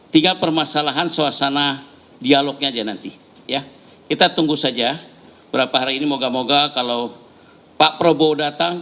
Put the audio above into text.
tiga permasalahan suasana dialognya aja nanti ya kita tunggu saja berapa hari ini moga moga kalau pak prabowo datang